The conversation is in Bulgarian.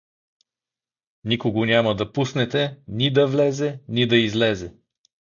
— Никого няма да пуснете, ни да влезе, ни да излезе!